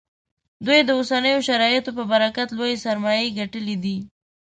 دوی د اوسنیو شرایطو په برکت لویې سرمایې ګټلې دي